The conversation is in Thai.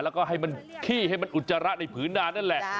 แล้วก็ให้มันขี้ให้มันอุจจาระในผืนนานนั่นแหละ